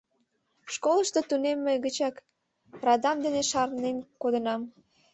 Школышто тунемме гычак радам дене шарнен кодынам.